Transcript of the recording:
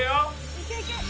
いけいけ！